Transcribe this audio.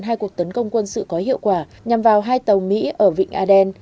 hai cuộc tấn công quân sự có hiệu quả nhằm vào hai tàu mỹ ở vịnh aden